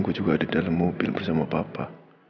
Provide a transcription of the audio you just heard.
gue juga ada dalam mobil bersama papa